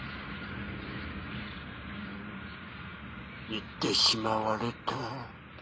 行ってしまわれた。